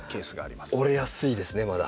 折れやすいですねまだ。